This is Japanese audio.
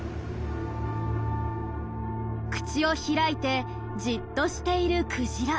口を開いてじっとしているクジラ。